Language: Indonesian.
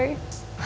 biarin aku boy